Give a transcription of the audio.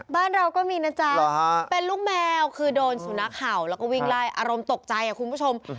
บ้านเราก็มีนะจ๊ะเป็นลูกแมวคือโดนสุนัขเห่าแล้วก็วิ่งไล่อารมณ์ตกใจคุณผู้ชม